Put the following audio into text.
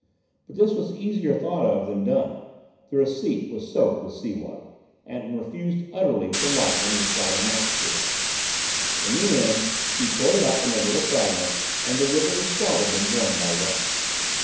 But this was easier thought of than done. The receipt was soaked with sea water, and refused utterly to light when he applied a match to it. In the end, he tore it up into little fragments and deliberately swallowed them, one by one.